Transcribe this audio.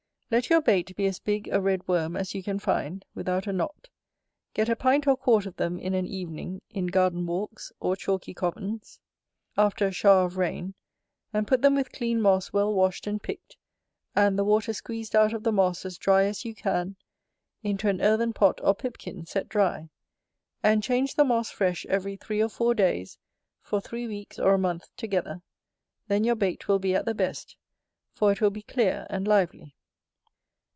Let your bait be as big a red worm as you can find, without a knot: get a pint or quart of them in an evening, in garden walks, or chalky commons, after a shower of rain; and put them with clean moss well washed and picked, and the water squeezed out of the moss as dry as you can, into an earthen pot or pipkin set dry; and change the moss fresh every three or four days, for three weeks or a month together; then your bait will be at the best, for it will be clear and lively.